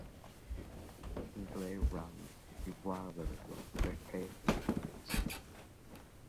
He glared round, bewildered, but prepared to fight.